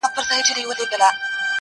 اشنا د بل وطن سړی دی-